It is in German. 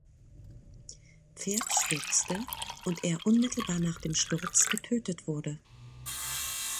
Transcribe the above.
Pferd stürzte und er unmittelbar nach dem Sturz getötet wurde.